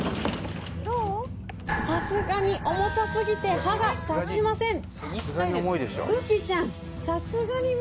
さすがに重たすぎて歯が立ちません